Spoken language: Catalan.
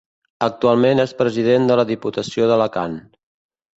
Actualment és President de la Diputació d'Alacant.